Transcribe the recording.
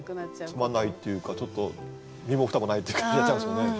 つまんないっていうかちょっと身も蓋もないっていう感じになっちゃいますもんね。